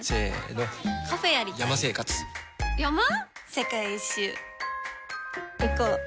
世界一周いこう。